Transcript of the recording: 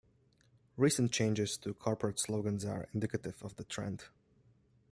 Recent changes to corporate slogans are indicative of the trend.